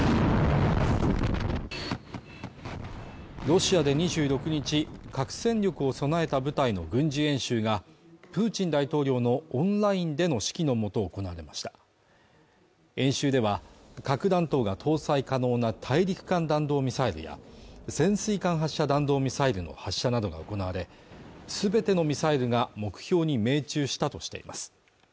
ロシアで２６日核戦力を備えた部隊の軍事演習がプーチン大統領のオンラインでの指揮のもと行われました演習では核弾頭が搭載可能な大陸間弾道ミサイルや潜水艦発射弾道ミサイルの発射などが行われすべてのミサイルが目標に命中したとしています